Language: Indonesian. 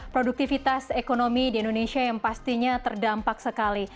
produktivitas ekonomi di indonesia yang pastinya terdampak sekali